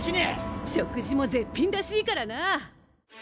食事も絶品らしいからな！